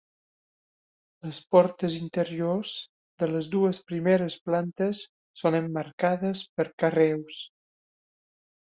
Les portes interiors de les dues primeres plantes són emmarcades per carreus.